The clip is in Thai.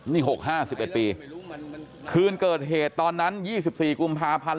นี่หกห้าสิบเอ็ดปีคืนเกิดเหตุตอนนั้นยี่สิบสี่กุมภาพันธ์